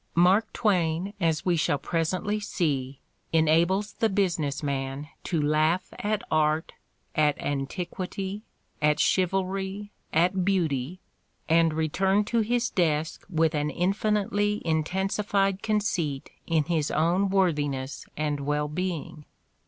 Mark Twain, as we shall pres ently see, enables the business man to laugh at art, at Mark Twain's Humor 213 antiquity, at chivalry, at beauty and return to his desk with an infinitely intensified conceit in his own worthi ness and well being.